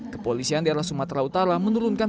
kepolisian daerah sumatera utara menurunkan